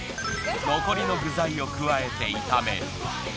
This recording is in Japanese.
残りの具材を加えて炒める。